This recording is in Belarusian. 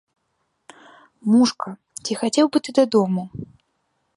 Мушка, ці хацеў бы ты дадому?